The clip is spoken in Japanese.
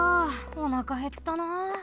おなかへったなあ。